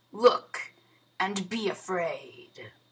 Look, and be afraid!"